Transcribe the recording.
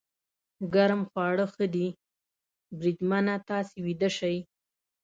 ګرم خواړه ښه دي، بریدمنه، تاسې ویده شئ.